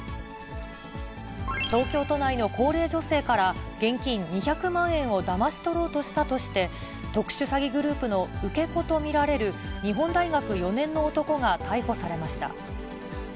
東京都内の高齢女性から、現金２００万円をだまし取ろうとしたとして、特殊詐欺グループの受け子と見られる、日本大学４年の男が逮捕されました。